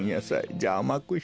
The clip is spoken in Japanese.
じゃああまくして。